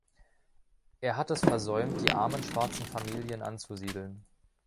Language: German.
Er hat es versäumt, die armen schwarzen Familien anzusiedeln.